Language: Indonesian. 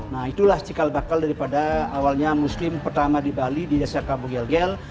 nah itulah cikal bakal daripada awalnya muslim pertama di bali di desa kabul gel gel